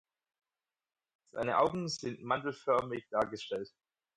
Seine Augen sind mandelförmig dargestellt.